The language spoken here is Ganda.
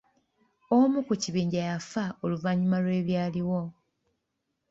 Omu ku kibinja yafa oluvannyuma lw'ebyaliwo.